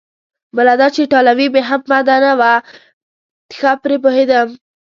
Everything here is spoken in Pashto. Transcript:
بله دا چې ایټالوي مې هم بده نه وه، ښه پرې پوهېدم.